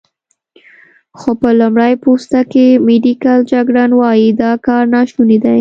خو په لمړی پوسته کې، میډیکل جګړن وايي، دا کار ناشونی دی.